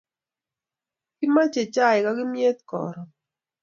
Kimache chaik ak kimyet karun